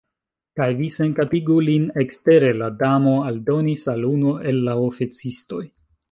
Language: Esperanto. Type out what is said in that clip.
"Kaj vi senkapigu lin ekstere," la Damo aldonis al unu el la oficistoj.